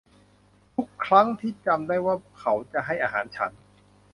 ทุกครั้งที่พวกเขาจำได้ว่าจะให้อาหารฉัน